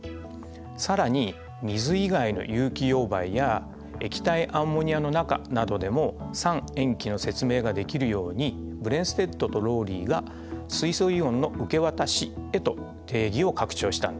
更に水以外の有機溶媒や液体アンモニアの中などでも酸塩基の説明ができるようにブレンステッドとローリーが水素イオンの受け渡しへと定義を拡張したんだ。